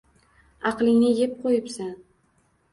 Aqlingni eb qo`yibsan